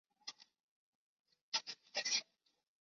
打击乐器可能是最古老的乐器。